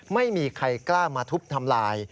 ไม่มีใครกล้ามาทุบทำลาย